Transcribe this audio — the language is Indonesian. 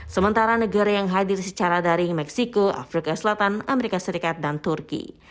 sementara negara yang hadir secara daring meksiko afrika selatan amerika serikat dan turki